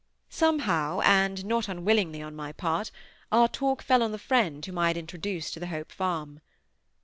Somehow, and not unwillingly on my part, our talk fell on the friend whom I had introduced to the Hope Farm.